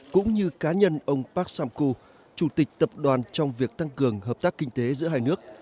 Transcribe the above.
cũng như cá nhân ông park sam ku chủ tịch tập đoàn trong việc tăng cường hợp tác kinh tế giữa hai nước